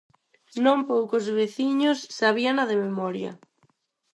Non poucos veciños sabíana de memoria.